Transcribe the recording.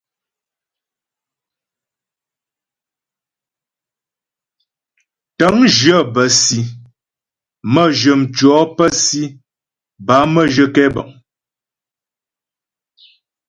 Tə̂ŋjyə bə́ si, mə́jyə mtʉɔ̌ pə́ si bâ mə́jyə kɛbəŋ.